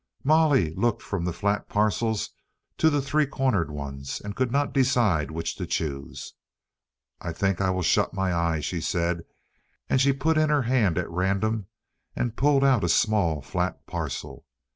Molly looked from the flat parcels to the three cornered ones and could not decide which to choose. "I think I will shut my eyes," she said, and she put in her hand at random and pulled out a small, flat parcel.